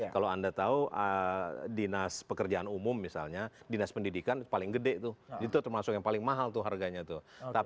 kalau anda tahu dinas pekerjaan umum misalnya dinas pendidikan paling gede tuh itu termasuk yang paling mahal tuh harganya tuh